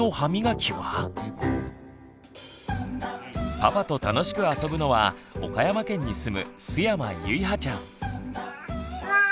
パパと楽しく遊ぶのは岡山県に住む須山ゆいはちゃん。